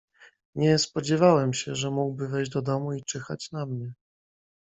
"Nie spodziewałem się, że mógłby wejść do domu i czyhać na mnie."